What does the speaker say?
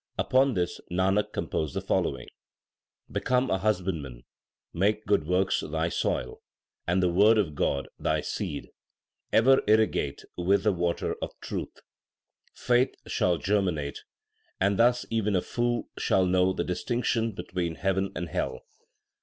Upon this Nanak composed the following : Become a husbandman, make good works thy soil, and the word of God thy seed ; 2 ever irrigate with the water of truth. Faith shall germinate, and thus even a fool shall know the distinction between heaven and hell.